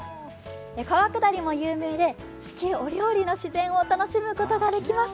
川下りも有名で四季折々の自然を楽しむことができます。